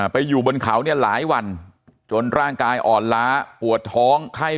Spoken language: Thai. ไปอยู่บนเขาเนี่ยหลายวันจนร่างกายอ่อนล้าปวดท้องไข้